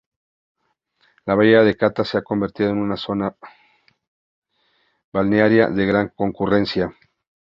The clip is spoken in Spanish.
La Bahía de Cata se ha convertido en una zona balnearia de gran concurrencia.